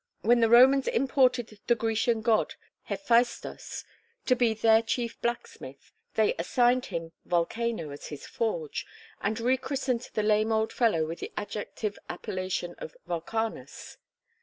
When the Romans imported the Grecian god, Hephaistos, to be their chief blacksmith, they assigned him Vulcano as his forge, and rechristened the lame old fellow with the adjective appellation of Vulcanus.